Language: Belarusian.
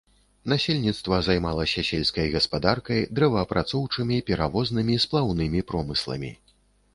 Насельніцтва займалася сельскай гаспадаркай, дрэваапрацоўчымі, перавознымі, сплаўнымі промысламі.